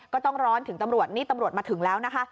ก็ต้องร้อนถึงตำรวจนี่ตำรวจมาถึงแล้วนะคะ